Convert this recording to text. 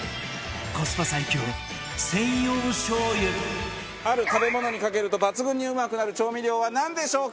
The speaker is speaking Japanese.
コスパ最強専用しょう油ある食べ物にかけると抜群にうまくなる調味料はなんでしょうか？